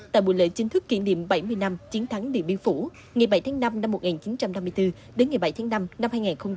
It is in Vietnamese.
tại buổi lễ chính thức kỷ niệm bảy mươi năm chiến thắng điện biên phủ ngày bảy tháng năm năm một nghìn chín trăm năm mươi bốn đến ngày bảy tháng năm năm hai nghìn hai mươi bốn